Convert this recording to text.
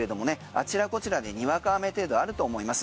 あちらこちらでにわか雨程度、あると思います。